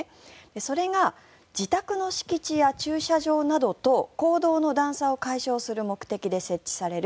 それが自宅の敷地や駐車場などと公道の段差を解消する目的で設置される